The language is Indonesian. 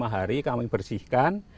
hari kami bersihkan